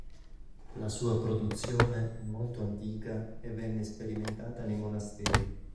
La sua produzione è molto antica e venne sperimentata nei monasteri.